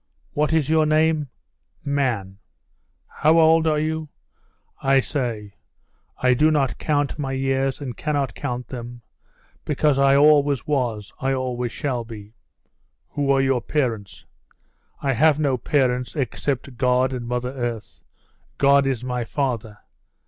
'What is your name?' 'Man.' 'How old are you?' I say, 'I do not count my years and cannot count them, because I always was, I always shall be.' 'Who are your parents?' 'I have no parents except God and Mother Earth. God is my father.